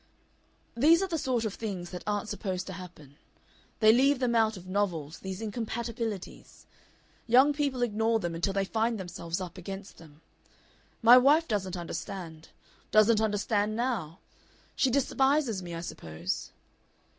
"These are the sort of things that aren't supposed to happen. They leave them out of novels these incompatibilities. Young people ignore them until they find themselves up against them. My wife doesn't understand, doesn't understand now. She despises me, I suppose....